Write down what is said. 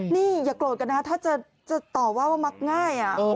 นี่อย่าโกรธกันนะถ้าจะต่อว่าว่ามักง่าย